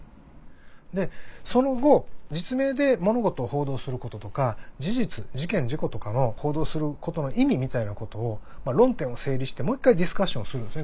その後実名で物事を報道することとか事実事件事故とかの報道をすることの意味みたいなことを論点を整理してもう１回ディスカッションをするんですね